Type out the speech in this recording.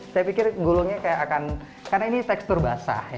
saya pikir gulungnya kayak akan karena ini tekstur basah ya